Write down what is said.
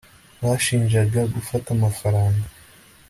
banshinjaga gufata amafaranga